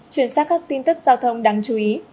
chuyển sang các tin tức giao thông đáng chú ý